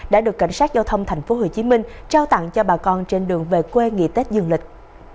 đã được cảnh sát giao thông tp hcm trao tặng cho bà con trên đường về quê nghỉ tết dương lịch